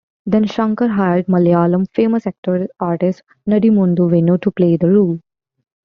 Then Shankar hired Malayalam famous character artist Nadimudu Venu to play the role.